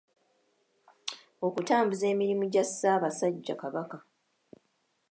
Okutambuza emirimu gya Ssaabasajja Kabaka .